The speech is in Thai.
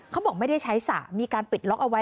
เขาบอกไม่ได้ใช้สระมีการปิดล็อกเอาไว้